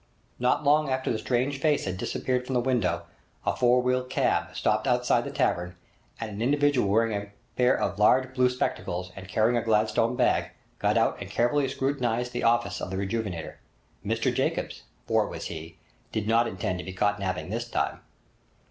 Not long after the strange face had disappeared from the window, a four wheeled cab stopped outside the tavern, and an individual wearing a pair of large blue spectacles, and carrying a Gladstone bag, got out and carefully scrutinized the offices of the 'Rejuvenator'. Mr Jacobs, for it was he, did not intend to be caught napping this time.